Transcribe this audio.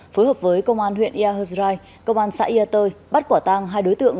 phối hợp với công an huyện yà hơ rai công an xã yà tơi bắt quả tang hai đối tượng